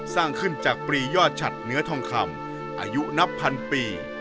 สร้างขึ้นจากปรียอดฉัดเนื้อทองคำอายุนับพันปี